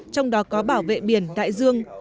trong đó có bảo vệ biển đại dương